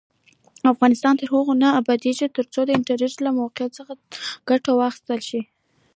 افغانستان تر هغو نه ابادیږي، ترڅو د ټرانزیټ له موقع څخه ګټه وانخیستل شي.